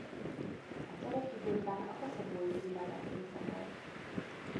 A török időkben a Koszovói vilajet része volt.